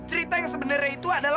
cerita yang sebenarnya itu adalah